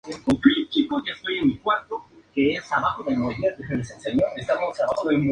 Queda como recuerdo de ellos la denominación de la nueva calle, Avenida del Talgo.